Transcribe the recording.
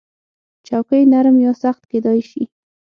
چوکۍ نرم یا سخت کېدای شي.